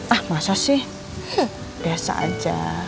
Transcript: ah masa sih biasa aja